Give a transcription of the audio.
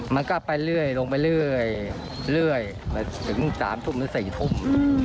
มันก็ไปเรื่อยลงไปเรื่อยถึง๓๔ทุ่ม